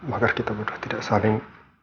agar kita berdua tidak saling